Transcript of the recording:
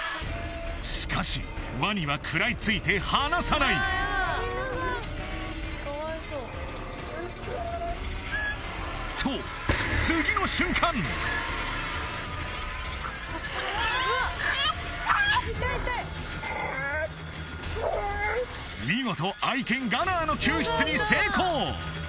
しかしワニは食らいついて離さないと見事愛犬ガナーの救出に成功